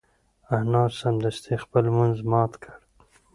انا سمدستي خپل لمونځ مات کړ.